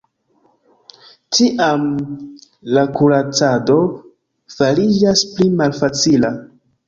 Tiam la kuracado fariĝas pli malfacila.